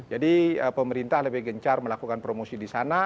jadi pemerintah lebih gencar melakukan promosi di sana